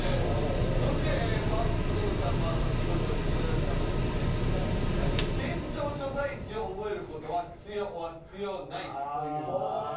そしてパックンさんＶＳ囲碁将棋の根建さんがですね「県庁所在地を覚える事は必要ｏｒ必要ない」という事です。